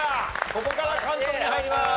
ここから関東に入ります。